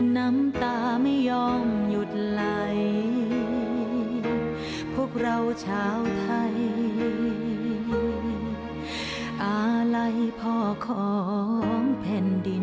น้ำตาไม่ยอมหยุดไหลพวกเราชาวไทยอาลัยพ่อของแผ่นดิน